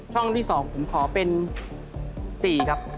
ช่องที่๒ผมขอเป็น๔ครับ